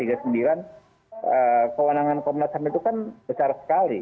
kewenangan komnas ham itu kan besar sekali